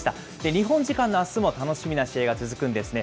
日本時間のあすも楽しみな試合が続くんですね。